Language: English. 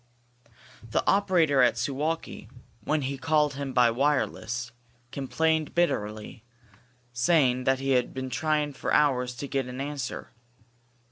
The operator at Suwalki, when he called him by wireless, complained bitterly, saying that he had been trying for hours to get an answer.